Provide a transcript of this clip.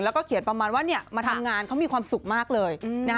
แล้วก็เขียนประมาณว่ามาทำงานเขามีความสุขมากเลย